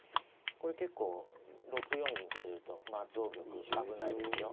これ結構６四銀と出ると松尾玉危ないですよ。